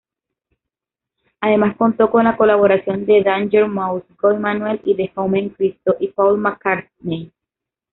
Además contó con la colaboración de Danger Mouse, Guy-Manuel de Homem-Christo y Paul McCartney.